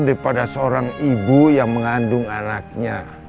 daripada seorang ibu yang mengandung anaknya